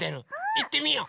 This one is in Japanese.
いってみよう。